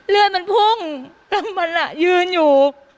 เลือดมันพุ่งตั้งมันล่ะยืนอยู่